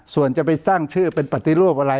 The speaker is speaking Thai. ส่วนจะไปสร้างชื่อเป็นปฏิรูปอะไร